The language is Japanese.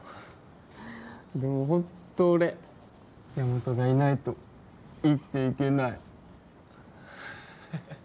でもホント俺ヤマトがいないと生きていけない